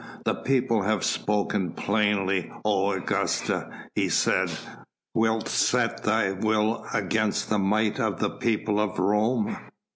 "The people have spoken plainly, O Augusta," he said; "wilt set thy will against the might of the people of Rome?